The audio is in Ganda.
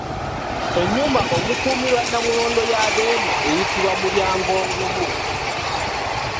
Ennyumba omukuumirwa namulondo ya Beene eyitibwa mulyangogumu.